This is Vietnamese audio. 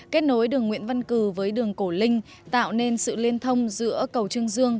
kết nối đường nguyễn văn cử với đường cổ linh tạo nên sự liên thông giữa cầu trương dương